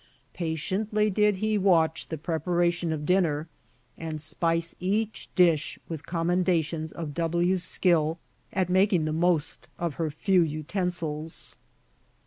Patiently did he watch the preparation of dinner, and spice each dish with commendations of W 's skill at making the most of her few utensils.